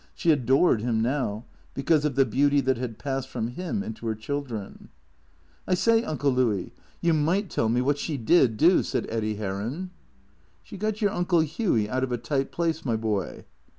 She adored him now, because of the beauty that had passed from him into her children. "I say. Uncle Louis, you might tell me what she did do," said Eddy Heron. " She got your TJnclo Hughy out of a tight place, my boy."